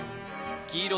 黄色